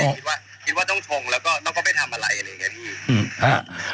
ไม่ได้คิดว่าคิดว่าต้องทงแล้วก็ต้องก็ไปทำอะไรอะไรแบบนี้